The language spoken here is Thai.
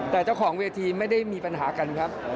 แต่เจ้าของเวทีไม่ได้มีปัญหากันครับ